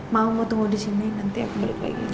mau mau tunggu di sini nanti aku balik lagi